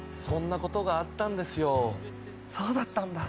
そんなことがあったんですよ。